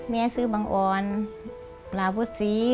แม่ซื้อบังออนลาพุทธศรี